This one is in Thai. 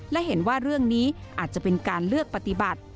และเห็นว่าเรื่องนี้อาจจะเป็นการเลือกปฏิบัติ